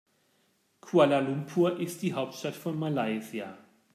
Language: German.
Kuala Lumpur ist die Hauptstadt von Malaysia.